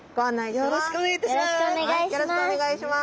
よろしくお願いします。